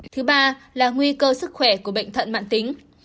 thứ ba là nguy cơ sức khỏe của bệnh thận mạng tính